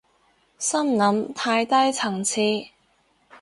心諗太低層次